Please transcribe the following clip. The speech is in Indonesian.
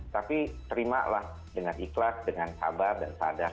tapi terima lah dengan ikhlas dengan sabar dan sadar